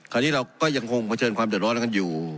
คราวนี้เราก็ยังคงเผชิญความเดือดร้อนแล้วกันอยู่